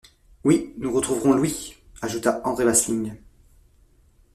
Oui, nous retrouverons Louis! ajouta André Vasling.